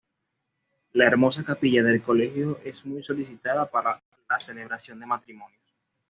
La hermosa capilla del colegio es muy solicitada para la celebración de matrimonios.